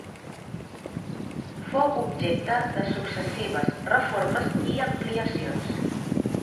Fou objecte de successives reformes i ampliacions.